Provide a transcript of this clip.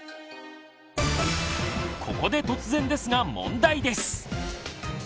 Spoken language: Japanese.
ここで突然ですが問題です！